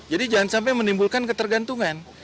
jangan sampai menimbulkan ketergantungan